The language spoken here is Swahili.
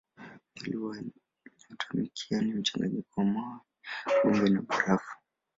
Mwili wa nyotamkia ni mchanganyiko wa mawe, vumbi na barafu.